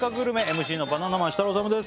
ＭＣのバナナマン設楽統です